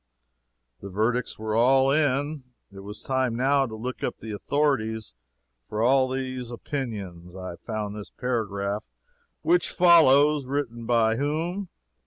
The verdicts were all in. It was time, now, to look up the authorities for all these opinions. I found this paragraph, which follows. Written by whom?